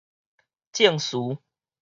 證詞